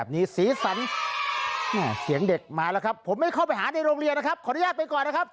โปรดติดตามตอนต่อไป